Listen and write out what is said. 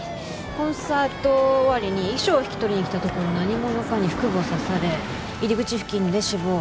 コンサート終わりに衣装を引き取りに来たところ何者かに腹部を刺され入り口付近で死亡。